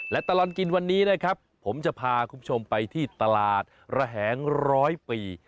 และตลอดกินวันนี้นะครับผมจะพาคุณผู้ชมไปที่ตลาดระแหงร้อยปี